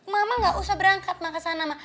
mama gak usah berangkat ma kesana ma